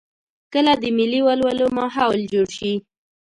کله د ملي ولولو ماحول جوړ شي.